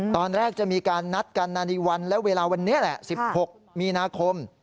ตอนแรกจะมีการนัดกันนานีวันและเวลาวันนี้แหละ๑๖มีนาคม